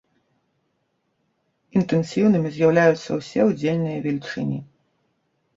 Інтэнсіўнымі з'яўляюцца ўсе удзельныя велічыні.